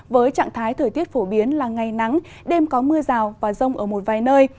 với trạng thái thời tiết phổ biến là ngày nắng đêm có mưa rào và rông ở một vài nơi